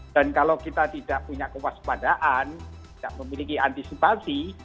dan kalau kita tidak punya kewaspadaan tidak memiliki antisipasi